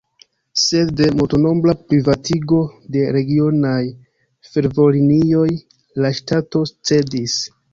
Sed de multnombra privatigo de regionaj fervojlinioj la ŝtato cedis.